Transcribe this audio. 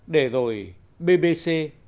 để rồi bbc